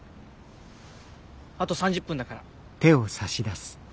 あと３０分だから。